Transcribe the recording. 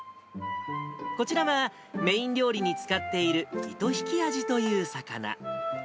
こちらはメイン料理に使っているイトヒキアジという魚。